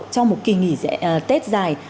cho một kỳ nghỉ tết dài